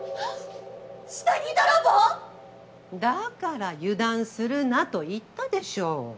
下着泥棒！？・だから油断するなと言ったでしょ。